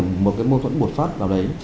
một cái mô tuẫn bột phát vào đấy